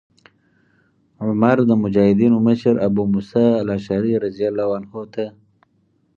عمر د مجاهدینو مشر ابو موسی الأشعري رضي الله عنه ته